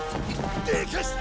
でかした！